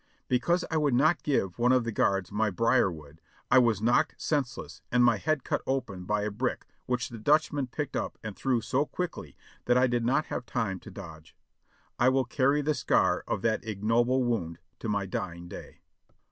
Because I would not give one of the guards my brier wood, I was knocked senseless and my head cut open by a brick which the Dutchman picked up and threw so quickly that I did not have time to dodge. I will carry the scar of that ignoble wound to my dying day.